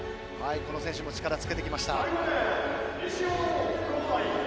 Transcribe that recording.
この選手も力つけてきました。